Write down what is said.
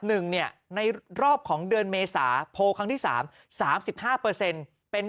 หนึ่งเนี่ยในรอบของเดือนเมษาโพลครั้งที่๓๓๕เปอร์เซ็นต์เป็น